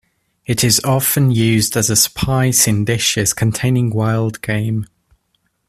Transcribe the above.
It is often used as a spice in dishes containing wild game.